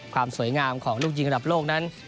ความสวยงามของลูกยิงระดับโลกนั้น